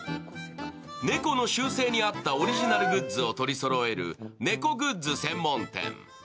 猫の習性に合ったオリジナルグッズを取りそろえる猫グッズ専門店。